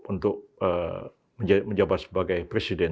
untuk menjabat sebagai presiden